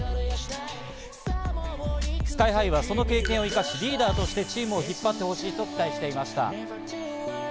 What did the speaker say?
ＳＫＹ−ＨＩはその経験を生かし、リーダーとしてチームを引っ張ってほしいと期待していました。